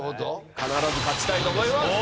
必ず勝ちたいと思います！